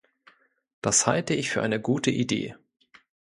Das halte ich für eine gute Idee.